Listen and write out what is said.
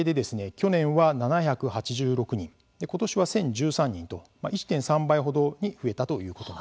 去年は７８６人今年は１０１３人と１．３倍程に増えたということなんです。